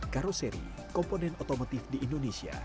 karuseri komponen otomatif di indonesia